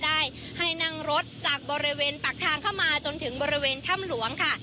ได้ให้นั่งรถจากบริเวณปากทางเข้ามาจนถึงบริเวณถ้ำหลวงค่ะ